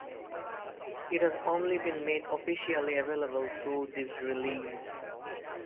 It has only been made officially available through this release.